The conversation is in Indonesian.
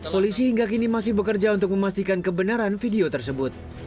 polisi hingga kini masih bekerja untuk memastikan kebenaran video tersebut